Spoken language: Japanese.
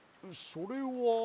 それは？